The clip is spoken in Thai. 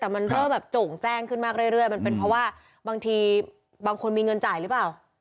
แต่มันเริ่มแบบโจ่งแจ้งขึ้นมากเรื่อยมันเป็นเพราะว่าบางทีบางคนมีเงินจ่ายหรือเปล่า